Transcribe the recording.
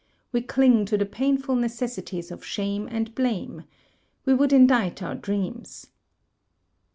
We cling to the painful necessities of shame and blame. We would indict our dreams."